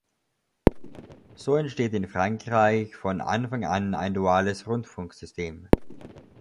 So entsteht in Frankreich von Anfang an ein duales Rundfunksystem.